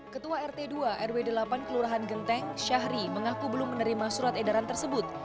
ketua rt dua rw delapan kelurahan genteng syahri mengaku belum menerima surat edaran tersebut